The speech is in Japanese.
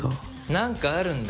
何かあるんだ。